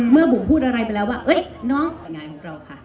เมื่อบุ๋มพูดอะไรไปแล้วว่าเฮ้ยน้องเป็นงานของเราค่ะ